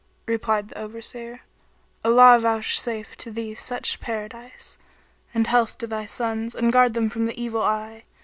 Replied the Overseer, "Allah vouchsafe to thee such Paradise, and health to thy sons and guard them from the evil eye!